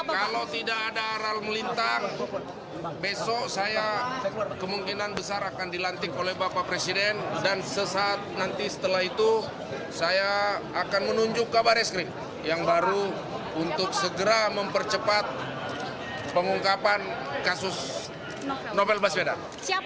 kalau tidak ada ral melintang besok saya kemungkinan besar akan dilantik oleh bapak presiden dan sesaat nanti setelah itu saya akan menunjuk kabar eskrim yang baru untuk segera mempercepat pengungkapan kasus novel baswedan